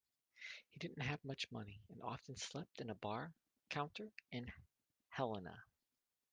He didn't have much money and often slept in a bar counter in Helena.